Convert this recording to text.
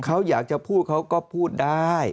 เขาอยากจะพูดเขาก็พูดได้